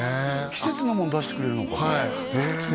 季節のもん出してくれるのかはい姫